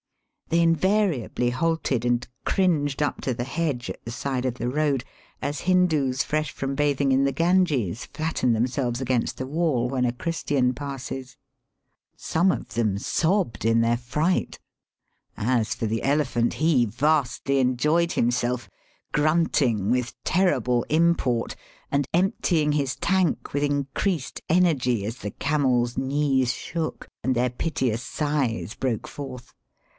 " They invariably halted and cringed up to the hedge at the side of the road, as Hindoos fresh from bathing in the Ganges flatten them selves against the wall when a Christian passes. Digitized by VjOOQIC AN ELEPHANT BIDE. 317 Some of them sobbed in their fright. As for the elephant, he vastly enjoyed himself, grunt ing with terrible import and emptying his tank with increased energy as the camels' knees shook and their piteous sighs broke forth.